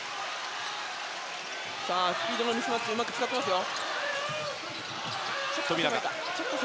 スピードのミスマッチをうまく使っていますよ。